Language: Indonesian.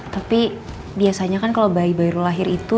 tapi biasanya kan kalau bayi baru lahir itu